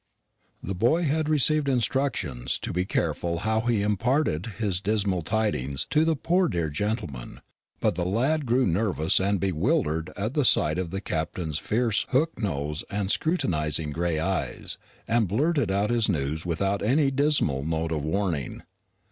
The boy had received instructions to be careful how he imparted his dismal tidings to the "poor dear gentleman;" but the lad grew nervous and bewildered at sight of the Captain's fierce hook nose and scrutinising gray eyes, and blurted out his news without any dismal note of warning.